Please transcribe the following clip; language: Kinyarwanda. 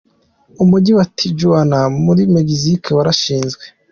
Umujyi wa Tijuana, muri Megizike warashinzwe.